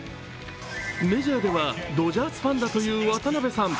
メジャーではドジャースファンだという渡辺さん。